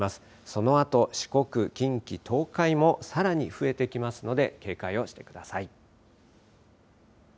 そのあと四国、近畿、東海もさらに増えてきますので警戒をしてください。